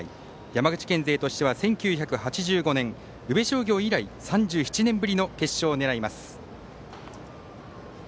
山口県勢としては１９８５年宇部商業以来３１年ぶりの決勝を狙います。